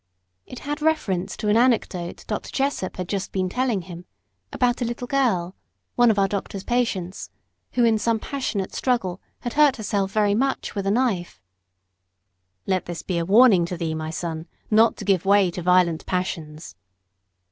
It had reference to an anecdote Dr. Jessop had just been telling him about a little girl, one of our doctor's patients, who in some passionate struggle had hurt herself very much with a knife. "Let this be a warning to thee, my son, not to give way to violent passions."